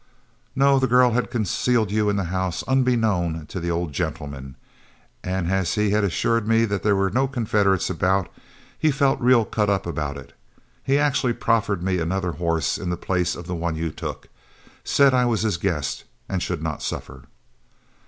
"No, the girl had concealed you in the house unbeknown to the old gentleman, and as he had assured me there were no Confederates about, he felt real cut up about it. He actually proffered me another horse in the place of the one you took. Said I was his guest, and should not suffer."